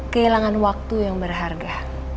kehilangan waktu yang berharga